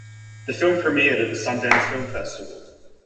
The film premiered at the Sundance Film Festival.